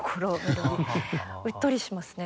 うっとりしますね。